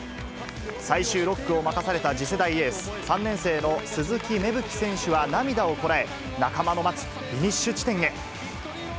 最終６区を任された次世代エース、３年生の鈴木芽吹選手は涙をこらえ、仲間の待つフィニッシュ地点へ。